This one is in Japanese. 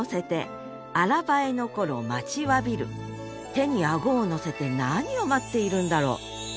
手に顎をのせて何を待っているんだろう？